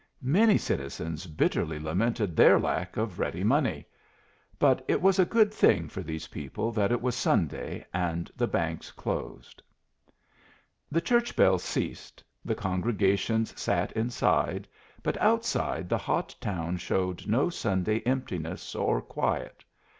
Many citizens bitterly lamented their lack of ready money. But it was a good thing for these people that it was Sunday, and the banks closed. The church bells ceased; the congregations sat inside, but outside the hot town showed no Sunday emptiness or quiet.